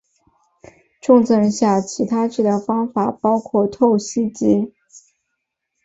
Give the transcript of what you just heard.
重症下其他治疗方法包含透析及。